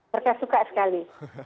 mereka suka sekali